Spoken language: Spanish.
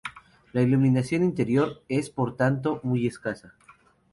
La iluminación interior es, por tanto, muy escasa.